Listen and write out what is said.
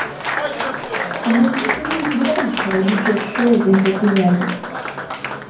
Але зусім не збіраліся рабіць яшчэ адзін такі запіс.